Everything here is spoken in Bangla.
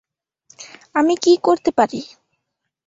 আমি কি করতে পারি?